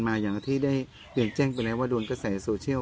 อย่างที่ได้เรียนแจ้งไปแล้วว่าโดนกระแสโซเชียล